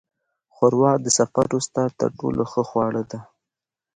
ښوروا د سفر وروسته تر ټولو ښه خواړه ده.